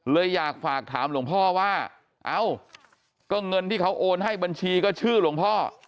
เลยอยากฝากถามหลวงพ่อว่าเอ้าก็เงินที่เขาโอนให้บัญชีก็ชื่อหลวงพ่อ